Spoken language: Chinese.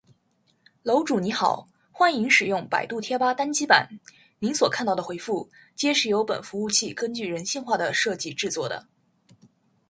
楼主你好：欢迎使用百度贴吧单机版！您所看到的回复，皆是由本服务器根据人性化的设计制作的